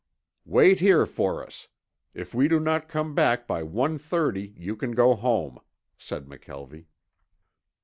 "Wait here for us. If we do not come by one thirty, you can go home," said McKelvie.